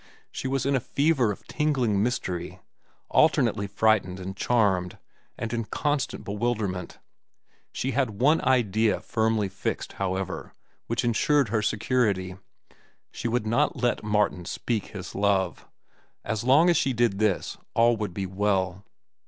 She was in a fever of tingling mystery, alternately frightened and charmed, and in constant bewilderment. She had one idea firmly fixed, however, which insured her security. She would not let Martin speak his love. As long as she did this, all would be well.